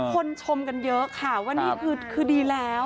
ชมกันเยอะค่ะว่านี่คือดีแล้ว